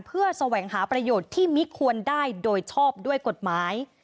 เพื่อแสวงหาประโยชน์ที่มิควรได้โดยชอบด้วยกฎหมาย